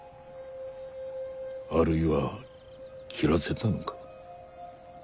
あるいは斬らせたのか。